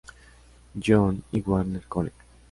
John's y Wagner College.